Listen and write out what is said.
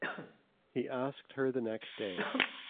He asked her the next day.